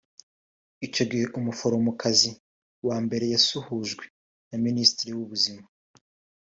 Icyo gihe umuforomokazi wa mbere yasuhujwe na Minisitiri w’Ubuzima